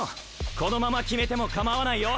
このまま決めてもかまわないよ！